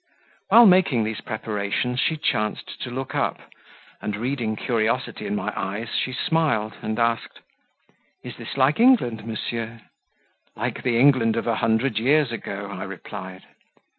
While making these preparations, she chanced to look up, and, reading curiosity in my eyes, she smiled and asked "Is this like England, monsieur?" "Like the England of a hundred years ago," I replied.